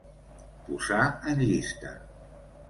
Posar en llista.